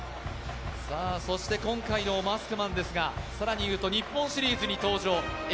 そして今回のマスクマンですが更に言うと日本シリーズに登場。